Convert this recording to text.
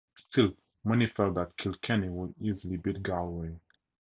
Still, many felt that Kilkenny would easily beat Galway.